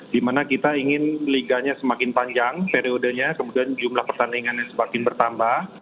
dimana kita ingin liganya semakin panjang periodenya kemudian jumlah pertandingannya semakin bertambah